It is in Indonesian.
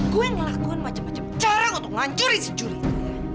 gue ngelakuin macam macam cara untuk ngancurin si juli itu ya